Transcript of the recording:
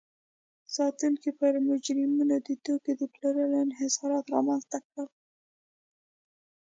ساتونکو پر مجرمینو د توکو د پلور انحصارات رامنځته کړل.